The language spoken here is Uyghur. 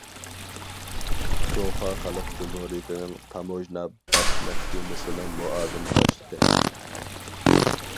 جۇڭخۇا خەلق جۇمھۇرىيىتىنىڭ تاموژنا باش مەھكىمىسىنىڭ مۇئاۋىن باشلىقى.